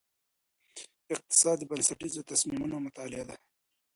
اقتصاد د بنسټیزو تصمیمونو مطالعه ده.